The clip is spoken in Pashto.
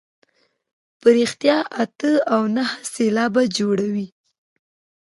په رښتیا چې اته او نهه سېلابه جوړوي.